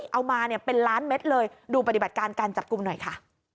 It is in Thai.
เอามาเนี่ยเป็นล้านเม็ดเลยดูปฏิบัติการการจับกลุ่มหน่อยค่ะ